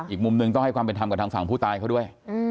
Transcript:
อีกมุมหนึ่งต้องให้ความเป็นธรรมกับทางฝั่งผู้ตายเขาด้วย